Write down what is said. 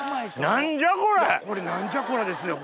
「何じゃこれ」ですよ